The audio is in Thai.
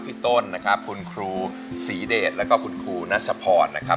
พี่ต้นนะครับคุณครูศรีเดชแล้วก็คุณครูนัชพรนะครับ